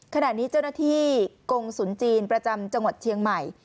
ขณะนี้เจ้าหน้าที่กงศูนย์จีนประจำจังหวัดเชียงใหม่